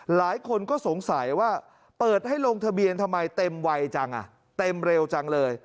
หลายคนก็สงสัยว่าเปิดให้ลงทะเบียนทำไมเต็มวัยจังอ่ะเต็มเร็วจังเลย